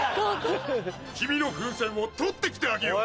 君の風船を取って来てあげよう。